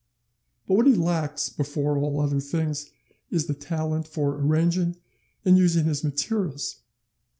But what he lacks before all other things is the talent for arranging and using his materials.